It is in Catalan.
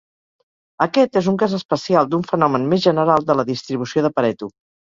Aquest és un cas especial d'un fenomen més general de la distribució de Pareto.